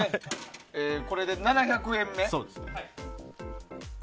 これで７００円目。